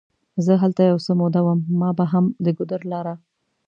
زه هلته یو څه موده وم، ما به هم د ګودر لاره.